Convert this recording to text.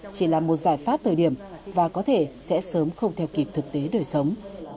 chỉ là một giải pháp thời điểm và có thể sẽ sớm không theo kịp thực tế đời sống